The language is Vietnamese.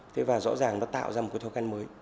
thế và rõ ràng nó tạo ra một cái thói quen mới